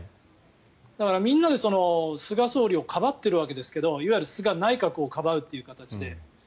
だから、みんなで菅総理をかばっているわけですがいわゆる菅内閣をかばうという形で。